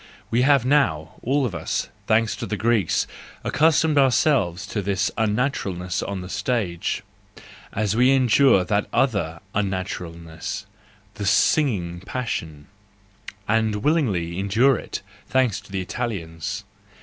We have now, all of us, thanks to the Greeks, accustomed ourselves to this unnaturalness on the stage, as we endure that other unnaturalness, the singing passion, and willingly endure it, thanks to the Italians.